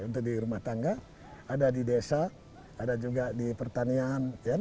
untuk di rumah tangga ada di desa ada juga di pertanian